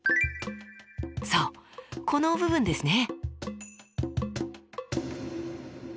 そうこの部分ですね。